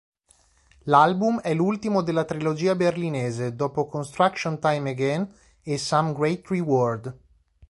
L'album è l'ultimo della Trilogia Berlinese dopo "Construction Time Again" e "Some Great Reward".